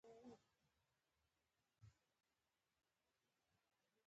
🐖 خوګ